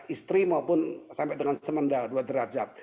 istri maupun sampai dengan semendal dua derajat